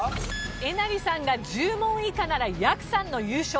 えなりさんが１０問以下ならやくさんの優勝。